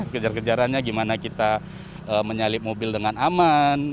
kejar kejarannya gimana kita menyalip mobil dengan aman